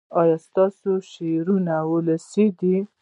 ایا ستاسو شعرونه ولسي دي؟